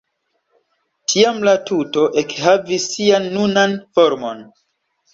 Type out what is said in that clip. Tiam la tuto ekhavis sian nunan formon.